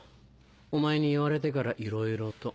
お前に言われてからいろいろと。